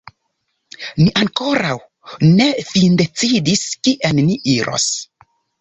Ni ankoraŭ ne findecidis kien ni iros.